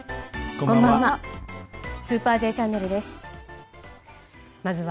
こんばんは。